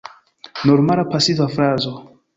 Normala pasiva frazo.